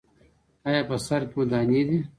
ایا په سر کې مو دانې دي؟